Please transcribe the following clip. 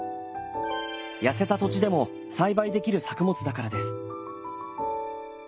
やせた土地でも栽培できる作物だからです。